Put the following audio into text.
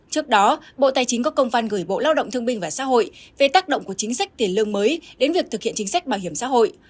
trước đó bộ tài chính có công phan gửi bộ lao động thương minh và xã hội về tác động của chính sách tiền lương mới đến việc thực hiện chính sách bảo hiểm xã hội